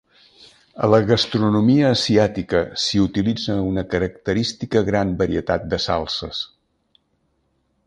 A la gastronomia asiàtica s'hi utilitza una característica gran varietat de salses.